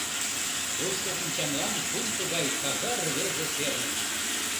Тушто шинчамлан кум тугай таза рвезе перныш.